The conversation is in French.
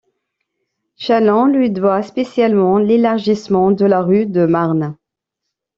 Châlons lui doit spécialement l’élargissement de la rue de Marne.